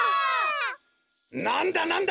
なんだなんだ？